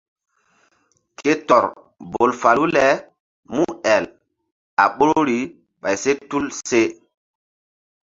Ke tɔr bol falu le múel a ɓoruri ɓay se tulu se.